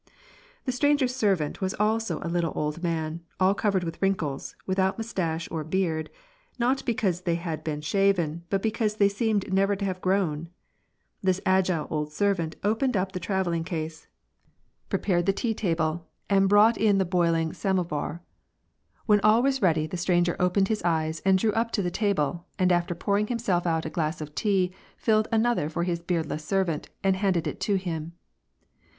The stranger's servant was also a little old man, all covered with wrinkles, without mustache or beard, not because they had been shaven, but because they seemed never to have grown. This agile old servant opened the travelling case, WAR AND PEACE. 69 prepared the tea table, and brought in the boiling sainovar. When all was ready, the stranger opened his eyes, drew up to the table, and after pouring himself out a glass of tea, HUed another for his beardless servant, and handed it to him.